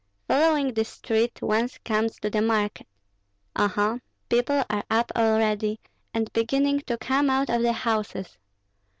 Following this street, one comes to the market. Oho! people are up already, and beginning to come out of the houses.